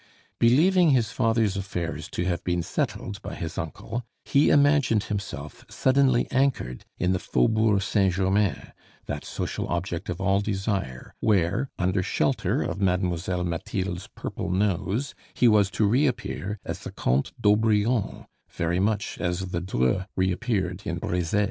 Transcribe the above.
Believing his father's affairs to have been settled by his uncle, he imagined himself suddenly anchored in the Faubourg Saint Germain, that social object of all desire, where, under shelter of Mademoiselle Mathilde's purple nose, he was to reappear as the Comte d'Aubrion, very much as the Dreux reappeared in Breze.